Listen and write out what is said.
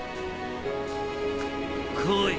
来い。